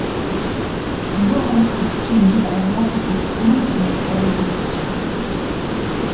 Нөгөө хоёр хөтчийн нүд аяганаасаа бүлтрэх нь үү гэмээр орой дээрээ гарсан үзэгдэнэ.